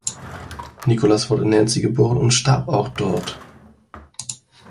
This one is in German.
Nicholas wurde in Nancy geboren und starb auch dort.